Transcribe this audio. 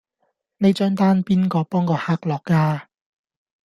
呢張單邊個幫個客落㗎